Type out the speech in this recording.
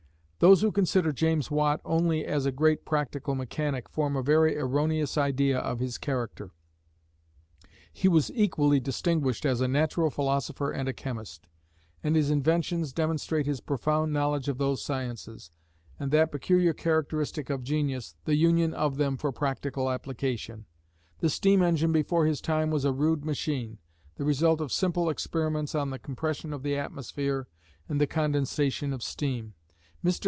Those who consider James Watt only as a great practical mechanic form a very erroneous idea of his character; he was equally distinguished as a natural philosopher and a chemist, and his inventions demonstrate his profound knowledge of those sciences, and that peculiar characteristic of genius, the union of them for practical application. The steam engine before his time was a rude machine, the result of simple experiments on the compression of the atmosphere, and the condensation of steam. Mr.